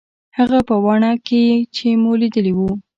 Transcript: هغه په واڼه کښې چې مو ليدلي وو.